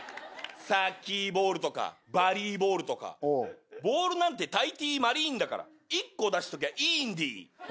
サッキィボールとかバリィボールとかボールなんてたいてぃまりぃんだから１個出しときゃいいんでぃ。